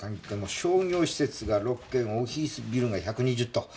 商業施設が６軒オフィスビルが１２０棟。